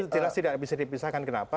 jelas tidak bisa dipisahkan kenapa